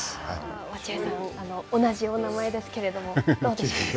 落合さん、同じお名前ですけれども、どうですか。